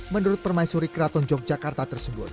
menurut permaisuri keraton yogyakarta tersebut